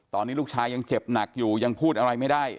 ตอนนี้ลูกชายยังเจ็บหนักอยู่ยังพูดอะไรไม่ได้